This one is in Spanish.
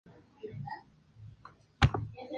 Corazón del espacio natural de Los Sabinares del Jalón.